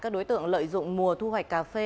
các đối tượng lợi dụng mùa thu hoạch cà phê